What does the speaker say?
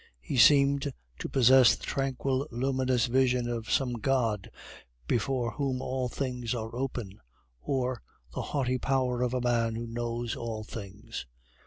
He seemed to possess the tranquil luminous vision of some god before whom all things are open, or the haughty power of a man who knows all things.